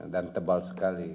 dan tebal sekali